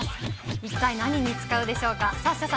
一体何に使うでしょうか。